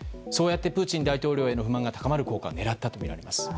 そうやってプーチン大統領への不満が高まる効果を狙ったとみられます。